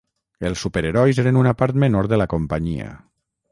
Els superherois eren una part menor de la companyia.